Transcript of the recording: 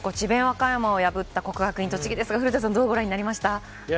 和歌山を破った国学院栃木ですが、古田さん、どうご覧になりましたか。